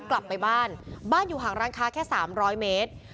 กลับไปบ้านบ้านอยู่ห่างร้านค้าแค่๓๐๐เมตร